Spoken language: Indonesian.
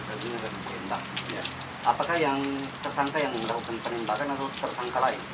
apakah yang tersangka yang melakukan penembakan atau tersangka lain